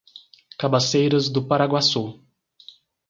Cabaceiras do Paraguaçu